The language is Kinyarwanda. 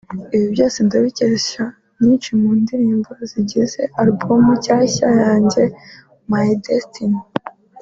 ibi byose ndabikesha nyinshi mu ndirimbo zigize album nshya yanjye My Destiny